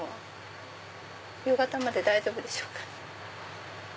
夕方まで大丈夫でしょうか？